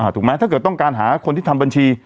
ถูกไหมถ้าเกิดต้องการหาคนที่ทำบัญชี